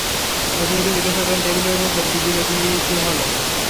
মধুসূদন জিজ্ঞাসা করলে, টেবিলের উপর ছবি ছিল, কী হল?